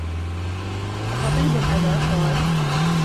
أَخَطِيبٌ أَنَا ؟ قَالَ